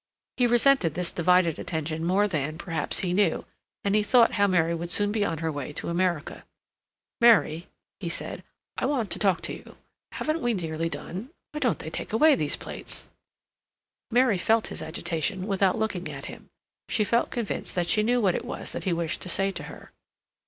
He resented this divided attention more than, perhaps, he knew, and he thought how Mary would soon be on her way to America. "Mary," he said, "I want to talk to you. Haven't we nearly done? Why don't they take away these plates?" Mary felt his agitation without looking at him; she felt convinced that she knew what it was that he wished to say to her.